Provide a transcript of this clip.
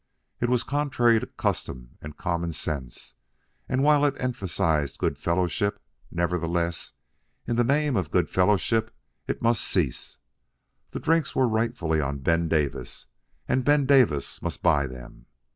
It was contrary to custom and common sense, and while it emphasized good fellowship, nevertheless, in the name of good fellowship it must cease. The drinks were rightfully on Ben Davis, and Ben Davis must buy them.